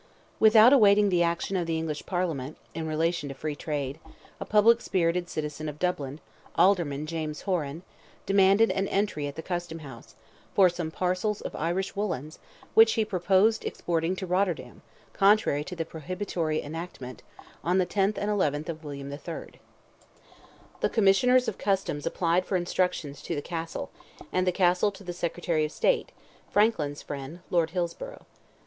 Without awaiting the action of the English Parliament, in relation to free trade, a public spirited citizen of Dublin, Alderman James Horan, demanded an entry at the custom house, for some parcels of Irish woollens, which he proposed exporting to Rotterdam, contrary to the prohibitory enactment, the 10th and 11th of William III. The commissioners of customs applied for instructions to the Castle, and the Castle to the Secretary of State, Franklin's friend, Lord Hillsborough.